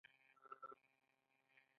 آیا غازي ایوب خان د میوند فاتح نه دی؟